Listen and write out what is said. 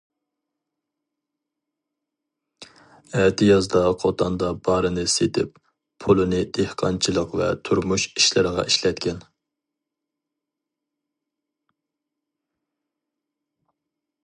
ئەتىيازدا قوتاندا بارىنى سېتىپ، پۇلىنى دېھقانچىلىق ۋە تۇرمۇش ئىشلىرىغا ئىشلەتكەن.